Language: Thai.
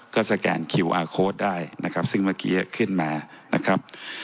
ก็สแกนคิวอาร์โค้ดได้นะครับซึ่งเมื่อกี้ขึ้นมานะครับ